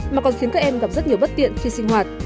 mà còn khiến các em gặp rất nhiều bất tiện khi sinh hoạt